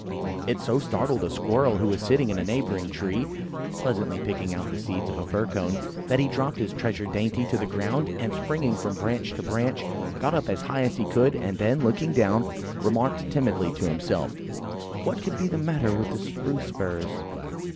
It so startled a squirrels who was sitting in a neighbouring tree, pleasantly picking out the seeds of a fir cone, that he dropped his treasured dainty to the ground and springing from branch to branch, got up as high as he could, and then, looking down, remarked timidly to himself, "What can be the matter with the Spruce firs?"